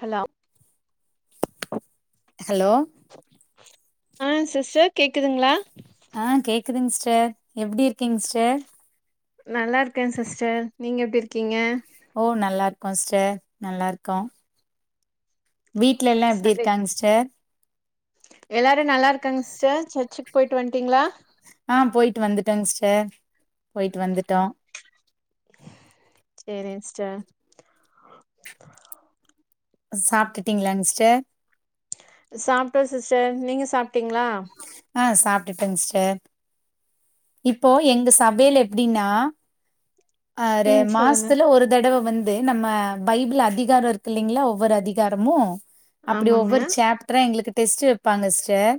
Hello hello ஆ sister கேக்குதுங்களா ஆ கேக்குதுங் சிஸ்டர் எப்டி இருக்கீங்க சிஸ்டர் நல்லாருக்கே சிஸ்டர் நீங்க எப்டி இருக்கீங்க ஓ நல்லாருக்கோ சிஸ்டர் நல்லாருக்கோ வீட்லல்லா எப்டி சண்டே இருக்காங்க சிஸ்டர் எல்லாரு நல்லாருக்காங்க சிஸ்டர் சர்ச்சுக்கு போய்ட்டு வந்ட்டீங்களா ஆ போய்ட்டு வந்துட்டங் சிஸ்டர் போய்ட்டு வந்துட்டோ சேரிங் சிஸ்டர் சாப்டுட்டீங்களாங் சிஸ்டர் சாப்ட்டோ சிஸ்டர் நீங்க சாப்ட்டீங்களா ஆ சாப்டுடங் சிஸ்டர் இப்போ எங்க சபைய்ல எப்டின்னா அ ரெ ம் சொல்லுங்க மாஸ்த்துல ஒரு தடவ வந் து நம்ம பைபிள் அதிகாரோ இருக்கு இல்லிங்களா ஒவ்வொரு அதிகாரமு அப்டி ஆமாங்க ஒவ்வொரு சேப் ட்ரா எங்களுக்கு டெஸ்ட்டு வெப்பாங்க சிஸ்டர்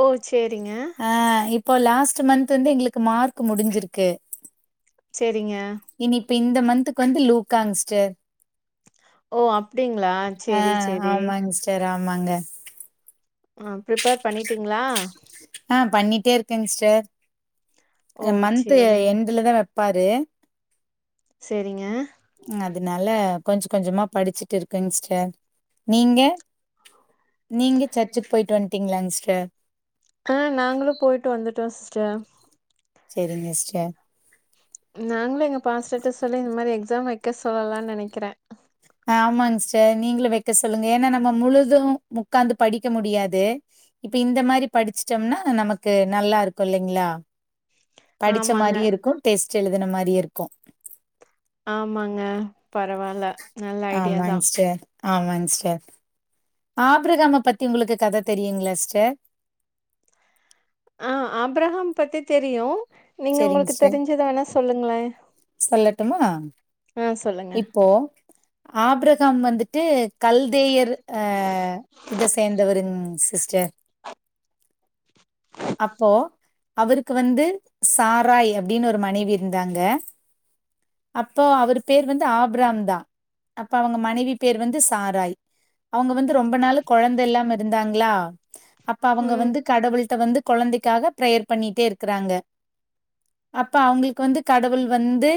ஓ சேரிங்க ஆ இப்போ லாஸ்ட் மந்த் வந்து எங்களுக்கு மார்க் முடிஞ்சிருக்கு செரிங்க இனி இப்ப இந்த மந்த்துக்கு வந்து லூகாங்ஸ்டர் ஓ அப்டிங்ளா செரி செரி டெராமாங்க ஆ ப்ரிப்பேர் பண்ணிட்டீங்ளா ஆ பண்ணிட்டே இருக்கேங் சிஸ்டர் ஓ மன்த்து சேரிங்க எண்டுல தா வெப்பாரு செரிங்க அதனால கொஞ்ச கொஞ்சமா படிச்சுட்டு இருக்கங்சிஸ்டர் நீங்க நீங்க சர்ச்சுக்கு போய்ட்டு வந்ட்டீங்களாஸ்டர் ஆ நாங்களு போய்ட்டு வந்துட்டோ சிஸ்டர் செரிங்க சிஸ்டர் நாங்ளு எங்க பாஸ்டரட்ட சொல்லி இந்த மாரி எக்ஸாம் வைக்க சொல்லலான் நெனைக்கிறே ஆமாங்ஸ்டர் நீங்ளு வெக்க சொல்லுங்க ஏன்னா நம்ம முழுது முக்காந்து படிக்க முடியாது இப்ப இந்த மாரி படிச்சுட்டம்னா நமக்கு நல்லாருக்கூ இல்லைங்ளா படிச்ச ஆமாங்க மாரியு இருக்கூ டெஸ்ட் எழுதுன மாரியு இருக்கூ ஆமாங்க பரவால்ல நல்ல ஐடியா தான். ஆமாங்ஸ்டர் ஆமாங்ஸ்டர் ஆப்ரகாம பத்தி உங்களுக்கு கத தெரியுங்ளாஸ்டர் ஆ ஆப்ரஹாம் பத்தி தெரியு நீங்க சரிங்க உங்களுக்கு சிஸ்டர். தெரிஞ்சத வேணா சொல்லுங்ளே சொல்லட்டுமா சொல்லுங்க. இப்போ ஆப்ரஹாம் வந்துட் டு கல்தேயர் அ இத சேந்தவருங் சிஸ்டர் அப்போ அவருக்கு வந்து சாராய் அப்டின்னு ஒரு மனைவி இருந்தாங்க அப்போ அவரு பேர் வந்து ஆப்ராம் தா அப்ப அவுங்க மனைவி பேர் வந்து சாராய் அவுங்க வந்து ரொம்ப நாள் கொழந்த இல்லாமருந்தாங்ளா அப்ப அவுங்க ம். வந்து கடவுள்ட்ட வந்து கொழந்தைக்காக பிரேயர் பண்ணிட்டே இருக்கிறாங்க அப்ப அவுங்களுக்கு வந்து கடவுள் வந்து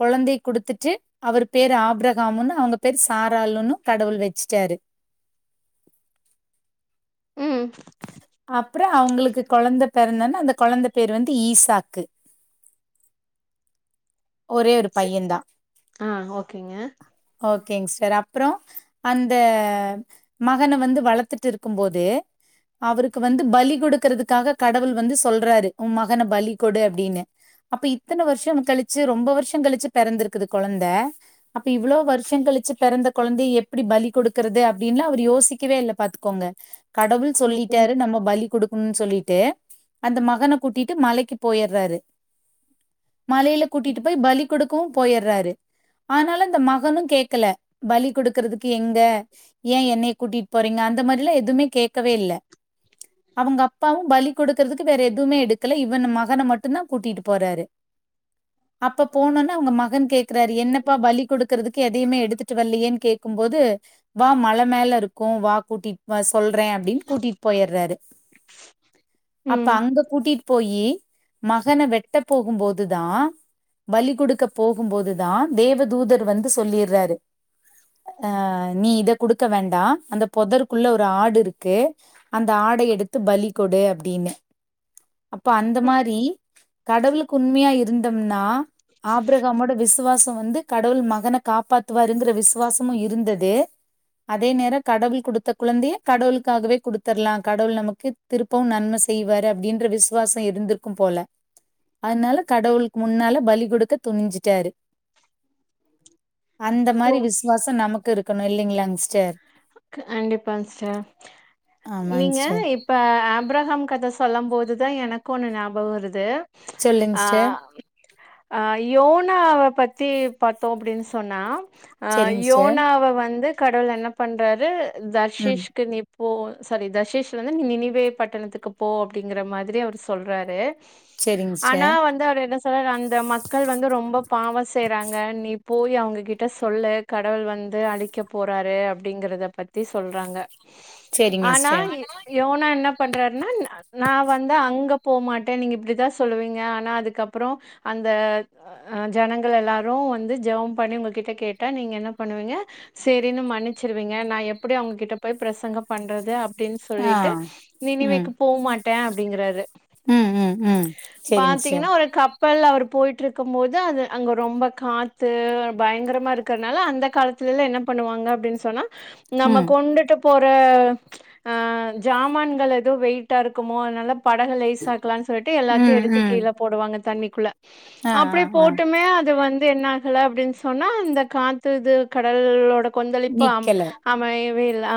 கொழந்தைய குடுத்துட்டு அவரு பேரு ஆப்ரஹாம்னு அவுங்க பேரு சாராலுனு கடவுள் வச்சிட்டாரு ம் அப்புறொ அவுங்களுக்கு கொழந்த பெறந்தோன அந்த கொழந்த பேரு வந்து ஈசாக்கு ஒரே ஒரு ச பையன் தா ஆ ஓகேங்க. ஓகேங்ஸ்டர் அப்புறோ அந்த மகன வந்து வளத்துட்டுருக்கும்போது அவருக்கு வந்து பலி குடுக்கறதுக்காக கடவுள் வந்து சொல்றாரு உம் மகன பலி கொடு அப்டின்னு அப்ப இத்தன வருஷொ கழிச்சு ரொம்ப வருஷொ கழிச்சு பெறந்திருக்குது கொழந்த அப்ப இவ்ளோ வருஷொ கழிச்சு பெறந்த கொழந்தய எப்டி பலி கொடுக்குறது அப்டின்லா அவுர் யோசிக்கவே இல்லப் பாத்துக்கோங்க கடவுள் சொல்லிட் ம். நம்ம பலி குடுக்கணுன் சொல்லிட்டு அந்த மகன கூட்டிட்டு மலைக்கு போயிற்றாரு மலையில கூட்டிட்டு போய் பலி கொடுக்கவு போயிற்றாரு ஆனாலு இந்த மகனும் கேக்கல பலி குடுக்கறதுக்கு எங்க ஏன் என்னைய கூட்டிட்டு போறீங்க அந்த மாரில்லா எதுமே கேக்கவே இல்ல அவுங்க அப்பாவும் பலி குடுக்கறதுக்கு வேற எதுவுமே எடுக்கல இவன மகன மட்டுந்தா கூட்டிட்டு போறாரு அப்ப போனொன்ன அவுங்க மகன் கேக்குறாரு என்னப்பா பலி குடுத்து க்குறதுக்கு எதையுமே எடுத்துட்டு வரலயேன்னு கேக்கும் போது வா மல மேல இருக்கும் வா கூட்டிட் வா சொல்றேன் அப்டின்னு கூட்டிட் போயிறாரு அப்ப ம். அங்க கூட்டிட்டு போயி மகன வெட்ட போகும்போது தா பலி குடுக்க போகும்போதுதா தேவதூதர் வந்து சொல்லிறாரு அ நீ இத குடுக்க வேண்டா அந்த பொதற்குள்ள ஒரு ஆடு இருக்கு அந்த ஆட எடுத்து பலி கொடு அப்டின்னு அப்போ அந்த ம். மாரி கடவுளுக்கு உண்மையா இருந்தம்னா ஆப்ரகாமோட விசுவாசம் வந்து கடவுள் மகன காப்பாத்துவாருங்குற விசுவாசமும் இருந்தது அதே நேரம் கடவுள் குடுத்த குழந்தைய கடவுளுக்காகவே குடுத்தர்லாம் கடவுள் நமக்கு திருப்பவும் நன்ம செய்வாரு அப்டின்ற விசுவாசம் இருந்திருக்கும் போல அதுனால கடவுளுக்கு முன்னால பலி குடுக்க துணிஞ்சிட்டாரு அந்த ஓ மாரி விசுவாசம் நமக்கு இருக்கணும் இல்லைங்களாங்க சிஸ்டர் கண்டிப்பாங்கசர் ஆமாங் நீங்க சிஸ்டர் இப்ப ஆப்ரஹாம் கத சொல்லும் போதுதா எனக்கு ஒன்னு ஞாபகம் வருது சொல்லுங் ஆ சிஸ்டர் அ யோனாவ பத்தி பாத்தோ அப்டின் சொன்னா செரிங் சிஸ்டர் அய்யோன்னு அவ வந்து கடவுள் என்ன பண்றாரு ம் தர்ஷிஷ்க்கு நீ போ சாரி தர்ஷேஷ் வந்து நினைவே பட்டணத்துக்கு போ அப்டிங்குற மாதிரி அவரு சொல்றாரு செரிங் ஆனா சிஸ்டர் வந்து அவர் என்ன சார் அந்த மக்கள் வந்து ரொம்ப பாவம் செய்றாங்க நீ போயி அவுங்க கிட்ட சொல்லு கடவுள் வந்து அழிக்க போறாரு அப் அப்டிங்கறத பத்தி சொல்றாங்க செரிங்க ஆனா சிஸ்டர் யோனா என்ன பண்றாருன்னா நா வந்து அங்க போமாட்டேன் நீங்க இப்படித்தா சொல்லுவீங்க ஆனா அதுக்கப்றோ அந்த அ ஜனங்கள் எல்லாரும் வந்து ஜெபம் பண்ணி உங்க கிட்ட கேட்டா நீங்க என்ன பண்ணுவீங்க செரின்னு மன்னிச்சிருவீங்க நா எப்புடி அவுங்ககிட்ட போய் பிரசங்கம் பண்றது அப் அப்டின்னு ஆ சொல்லிட்டு ம் நினைவேக்கு போ மாட்டே அப்டிங்குறாரு ம் ம் ம் சரிங்க சிஸ்டர் பாத்தீங்கன்னா ஒரு கப் கப்பல்ல அவர் போயிற்று இருக்கும் போது அது அங்க ரொம்ப காத்து பயங்கரமா இருக்கறனால அந்த காலத்து ல என்ன பண்ணுவாங்க அப்டின் சொன்னா நம்ம ம் கொண்டுட்டு போற ஆ ஜாமான்கள் எதுவும் வெயிட்டா இருக்குமோ அதனால படக லேஸ் ஆக்கலானு சொல்லிட்டு எல்லாத்தையும் ம் எடுத்து ம் கீழ போடுவாங்க தண்ணிக்குள்ள ஆ ஆ அப்டி ஆ போட்டுமே அது வந்து என்ன ல அப்டின்னு சொன்னா இந்த காத்து இது கடலோட கொந்த இப்பம் நிக்கல அமையவே இல்ல அ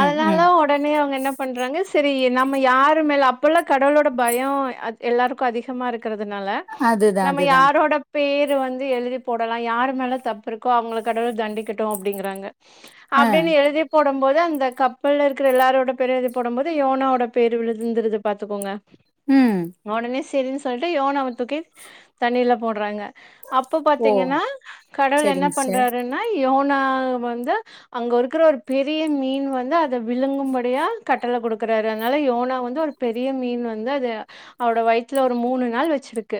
ம் அதனால ம் உடனே அவுங்க என்ன பண்றாங்க சரி நம்ம யாரு மேல அப்பல்லா கடவுளோட பயம் அது எல்லாருக்கும் அதிகமா இருக்கிறதுனால அதுதா நம்ம அதுதா யாரோட பேரு வந்து எழுதி போடலாம் யாரு மேல தப்பு இருக்கோ அவுங்க கடவுள் தண்டிகட்டும் அப்டிங்றாங்க ஆ அப்டின்னு எழுதி போடும் போது அந்த கப்பல்ல இருக்குற எல்லாரோட பேரு எழுதி போடும் போது யோனாவோட பேரு விழுந்துருது பாத்துக்கோங்க உம் ஒடனே சேரின்னு சொல்லிட்டு யோனாவ தூக்கி தண்ணீர்ல போட்றாங்க அப்போ ஓ பாத்தீங்கன்னா கடவுள் என்ன சரிங்க சிஸ்டர் பண்றாருன்னா யோனா வந் து அங்க இருக்குற ஒரு பெரிய மீன் வந்து அத விழுங்கும்படியா கட்டள குடுக்குறாரு அதனால யோனா வந்து ஒரு பெரிய மீன் வந்து அது அவோட வயித்துல ஒரு மூணு நாள் வச்சிருக்கு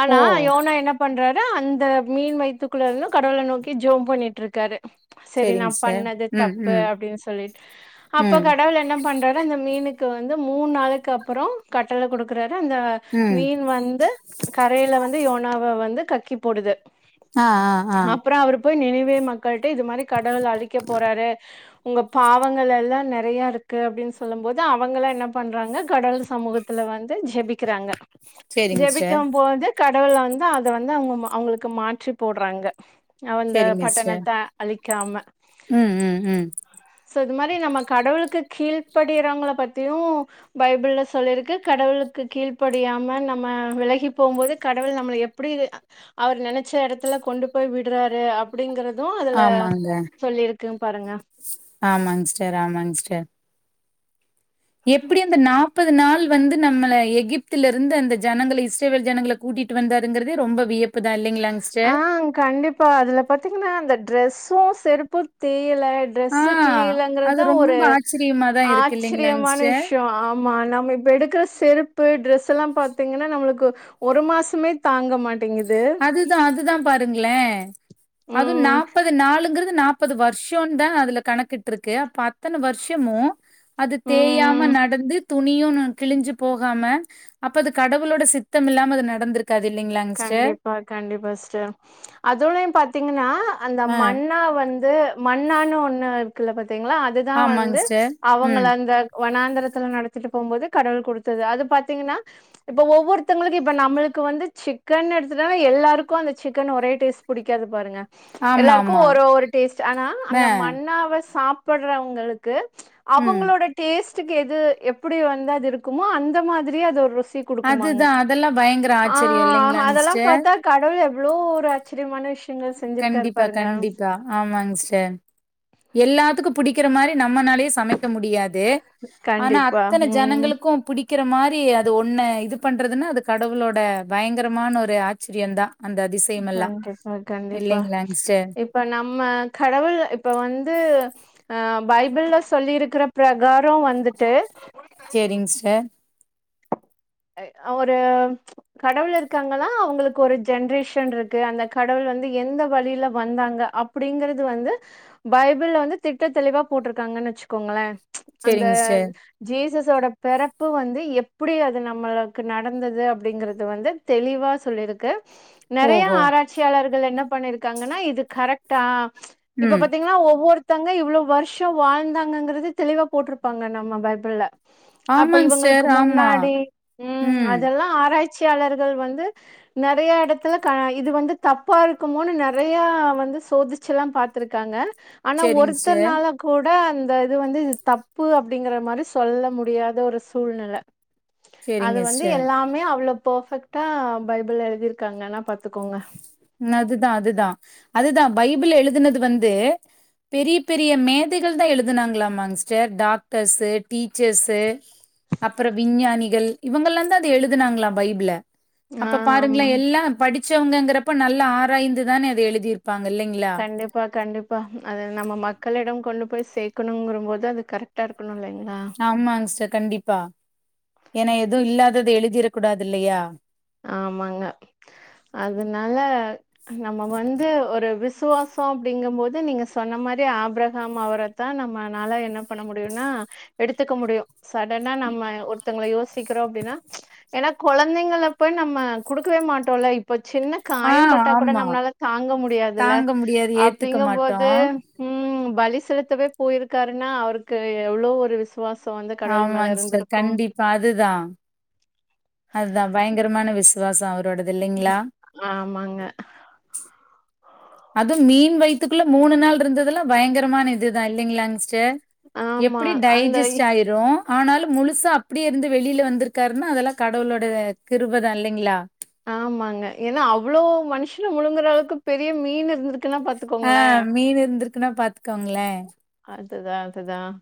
ஆனா ஓ யோனா என்னப் பண்றாரு அந்த மீன் வயித்துக்குள்ள இருந்து கடவுள நோக்கி ஜோம் பண்ணிட்ருக்காரு சரி நா சரிங்க சிஸ்டர் பண்ணது ம் தப்பு ம் அப்டின் சொல்லி அப்ப ம் கடவுள் என்ன பண்றாரு அந்த மீனுக் கு வந்து மூண் நாளைக்கு அப்பற கட்டள குடுக்குறாரு அந்த ம் மீன் வந்து கரையில வந்து யோனாவ வந்து கக்கி போடுது ஆ ஆ ஆ அப்பற அவரு போய் நினைவே மக்கள்ட்ட இது மாரி கடவுள் அழிக்க போறாரு உங்க பாவங்கள் எல்லா நெறையாருக்கு அப்டின் சொல்லும் போது அவங்களா என்ன பண்றாங்க கடல் சமூக த்துல வந்து ஜெபிக்கிறாங்க சரிங்க சிஸ்டர் ஜெபிக்கம் போது கடவுள் வந்து அத வந்து அவங்க அவுங்களுக்கு மாற்றி போட்றாங்க அவந்த சரிங்க சிஸ்டர் பட்டணத்த அழிக்காம ம் ம் ம் சோ இது மாரி நம்ம கடவுளுக்கு கீழ்படியிறவங்கள பத்தியு பைபிள்ல சொல்லிருக்கு கடவுளுக்கு கீழ்ப்படியாம நம்ம விலகி போகும் போது கடவுள் நம்மள எப் டி அவர் நெனைச்ச எடத்துல கொண்டு போய் விட்றாரு அப்டிங்கறது அதுல ஆமாங்க சொல்லிருக்கு பாருங்க ஆமாங்க ஸிஸ்டர் ஆமாங்க ஸிஸ்டர் எப்டி அந்த நாப்பது நாள் வந்து நம்மள எகிப்தில இருந்து அந்த ஜனங்கள இஸ்ரவேல் ஜனங்கள கூட்டிட்டு வந்தாருங்கறதே ரொம்ப வியப்பு தா இல்லைங்களா ஆ கண்டிப்பா அதுல பாத்தீங்கன்னா அந்த ட்ரெஸ்ஸு செருப்பு தேயல ஆ ட்ரெஸூ அது கிளியலங்கறதா ஒரு ரொம்ப ஆச்சரியமா தான் இருக்கு இல்லைங்களாங் ஆச்சரியமான சிஸ்டர். விஷ்யோ ஆ நம்ம இப்ப எடுக்கிற செருப்பு ட்ரெஸ்ல்லா பாத்தீங்கன்னா நம்மளுக்கு ஒரு மாசமே தாங்க மாட்டீங்குது தா அதுதா பாருங்ளே அதுவு ம் நாப்பது நாலுங்கிறது நாப் முப்பது வர்ஷொ தா அதுல கணக்கெடுத்துருக்கு அப்ப அத்தன வர்ஷமு அது தேயாம ம் நடந்து துணியு கிழிஞ்சு போகாம அப்ப அது கடவுளோட சித்தம் இல்லாம அது நடந்திருக்காது இல்லைங்களாங்க சிஸ்டர் கண்டிப்பா கண்டிப்பா ஸிஸ்டர் அதோடயு பாத்தீங்கன்னா அந்த ஆ மண்ணா வந்து மண்ணானு ஒன்னு இருக்குல பாத்தீங்களா அதுதான் ஆமாங் வந்து சிஸ்டர். அவங்கள ம். அந்த வனாந்திரத்துல நடத்திட்டு போகும்போது கடவுள் குடுத்தது அது பாத்தீங்கன்னா இப்ப ஒவ்வொருத்தவங்களுக்கு இப்ப நம்மளுக்கு வந்து சிக் கன் எடுத்துட்டா எல்லாருக்கு அந்த சிக்கன் ஒரே டேஸ்ட் பிடிக்காது பாருங்க எல்லாருக்கு ஆமாமா. ஒரு ஒரு டேஸ்ட் ஆனா ஆ. அந்த மண்ணாவ சாப்புடுறவங்களுக்கு ம். அவங்களோட டேஸ்டுக்கு எது எப்படி வந்து அது இருக்குமோ அந்த மாதிரியே அது ஒரு ருசி குடுக்குமாங்க அதுதா அதெல்லா பயங்கர ஆச்சரியம் இல்லைங்களா சிஸ்டர் அந்த கடவுள் எவ்ளோ ஒரு ஆச்சரியமான விஷ்ய கண்டிப்பா கண்டிப்பா ஆமாங்க சிஸ்டர் எல்லாத்துக்கு புடிக்கிற மாரி நம்மனாலயு சமைக்க முடியா து ஆனா கண்டிப்பா அத்தன ம் ஜனங்களுக்கு புடிக் க்கிற மாரி அது ஒன்ன இது பண்றதுன்னா அது கடவுளோட பயங்கரமான ஒரு ஆச்சரியந்தா அந்த அதிசயமெல்லா கண்டிப்பா கண்டிப்பா இல்லைங்களாங் சிஸ்டர் இப்ப நம்ம கடவுள் இப்ப வந்து அஹ் பைபிள்ல சொல்லிருக்கிற பிரகாரம் வந்துட்டு சேரிங்க சிஸ்டர் அ ஒரு கடவுள் இருக்காங்கனா அவுங்களுக்கு ஒரு ஜென்ரேஷன் இருக்கு அந்த கடவுள் வந்து எந்த வழில வந்தாங்க அப்டிங்கறது வந்து பைபிள்ல வந்து திட்ட தெளிவா போட்டிருக்காங்கன்னு வெச்சுக்கோங்களேன். அந்த சேரிங் சிஸ்டர் ஜீசஸோட பிறப்பு வந்து எப்டி? இது நம்மளுக்கு நடந்தது அப்டிங்கறது வந்து தெளிவா சொல்லிருக்கு நெறயா ஓஹோ ஆரா ய்ச்சியாளர்கள் என்ன பண்ணிருக்காங்கனா இது கரெக்டா இப்ப ம் பாத்தீங்கன்னா ஒவ்வொரு த்தங்க இவ்ளோ வர்ஷோ வாழ்ந்தாங்கங்கறது தெளிவா போட்டிருப்பாங்க நம்ம பைபிள்ல அப்ப ஆமாங் இவங்களுக்கு சிஸ்டர் ஆமா முன்னாடி ம் அதெல்லா ஆராய்ச்சியாளர்கள் வந்து நெறயா எடத்துல இது வந்து தப்பா இருக்குமோன்னு நெறயா வந்து சோதி ச்செல்லாம் பா்த்திருக்காங்க ஆனா சேரிங் சிஸ்டர் ஒருத்தர்னாள கூட அந்த இது வந்து இது தப்பு அப்டிங்கற மாரி சொல்ல முடியாத ஒரு சூழ்நில அது சேரிங்க வந்து சிஸ்டர் எல்லாமே அவ்ளோ பெஃபெக்ட்டா பைபிள்ல எழுதிருக்காங்கன்னா பாத்துக்கோங்க. அதுதா அதுதா அதுதா பைபிள் எழுதுனது வந்து பெரிய பெரிய மேதைகள்தா எழுதுனாங்களாமாங்க சிஸ்டர் டாக்டர்ஸு டீச்சர்ஸு அப்றோ விஞ்ஞானிகள் இவங்கெல்லாந்தான் அத எழுதுனாங்ளா பைபிள ஆ அப்ப பாருங்களேன் ஆமாங்க எல்லா படிச்சவங்கறப்ப நல்ல ஆராய்ந்துதானே அத எழுதிரு ப்பாங்க இல்லைங்ளா பா கண்டிப்பா அது நம்ம மக்களிடம் கொண்டு போய் சேக்கணுங்கும்போது அது கரெக்டாக இருக்கணு இல்லைங்ளா ஆமாங் சிஸ்டர் கண்டிப்பா ஏனா எதுவு இல்லாத எழுதிரக் கூடாது இல்லையா ஆமாங்க அதுனால நம்ம வந்து ஒரு விசுவாசோ அப்டிங்கும்போது நீங்க சொன்ன மாரி ஆபிரகாம் அவர் தா நம்மனால என்ன பண்ண முடியுனா எடுத்துக்க முடியு சடனா நம்ம ஒருத்தவங்கள யோசிக்கிறோ அப்டின்னா ஏனனா கொழந்தைங்கள இப்ப நம்ம குடுக்கவே மாட்டோ இல்ல இப்போ சின்ன ஆ காயம் பட்டா கூட ஆமா நம்மளால தாங்க முடியாதில்ல தாங்க முடியாது ஏத்துக்க மாட்டோ அப்டிங்கும்போது ம் பலி செலுத்தவே போயிருக்காருனா அவருக்கு எவ்ளோ ஒரு விசு சுவாசோ வந்து கடவுள் மேல இருந்திருக்கு ப அதுதான் அதுதா பயங்கரமான விசுவாசோ அவரோடது இல்லைங்ளா ஆமாங்க அது மீன் வயத்துக்குள்ள மூணு நாள் இருந்தெல்லா பயங்கரமான இதுதான் இல்லைங்களா சிஸ்டர் ஆமா எப்டி அந்த டையஜிஸ்ட் ஆயிரு ஆனாலு முழுசா அப்பனடியே இருந்து வெளில வந்திருக்காருன்னா அதெல்லா கடவுளோட கிருபதா இல்லைங்ளா ஆமாங்க ஏனா அவ்ளோ மனுஷன முழுங்கற அளவுக்கு பெரிய மீன் இருந்து ஆ மீன் இருந்திருக்குனா பாத்துக்கோங்ளே அதுதான் அதுதான்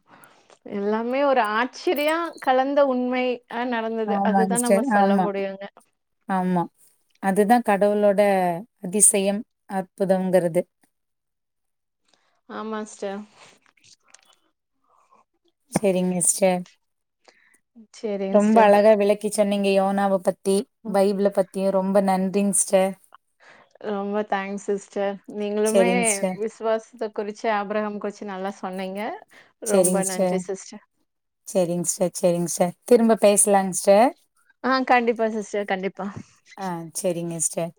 எல்லாமே ஒரு ஆச்சரியோ கலந்த உண்மை அ நடந்தது ஆமாங்க அதுதா சிஸ்டர். நம்ம சொல்ல ஆமா, முடியுங்க ஆமா அதுதான் கடவுளோட அதிசயம் அற்புதங்கறது ஆமா சிஸ்டர் சேரிங்க சிஸ்டர் சரிங்க ரொம்ப சிஸ்டர். அழகா விளக்கிச் சொன்னீங்க யுவனாவ பத்தி ம். பைபிள ப த்தி ரொம்ப நன்றிங்க சிஸ்டர் ரொம்ப தேங்க்ஸ் சிஸ்டர் நீங்களுமே சரிங்க சிஸ்டர், விசுவாசத்த குறிச்சு ஆபிரகாம் குறிச்சு நல்லா சொன்னீங்க ரொம்ப சேரிங்க சிஸ்டர் நன்றி சேரிங்க சிஸ்டர் சேரிங்க சிஸ்டர் திரும்ப பேசலாங் சிஸ்டர் ஆ கண்டிப்பா சிஸ்டர் கண்டிப்பா ஆ சேரிங்க ஸ்டர்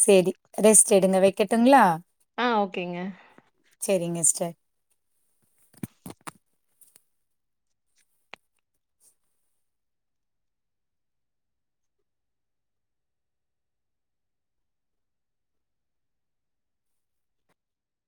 சேரி ரெஸ்ட் எடுங்க வெக்கட்டுங்ளா ஆ ஓகேங்க சேரிங்க ஸ்டர்